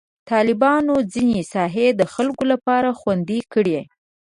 طالبانو ځینې ساحې د خلکو لپاره خوندي کړي.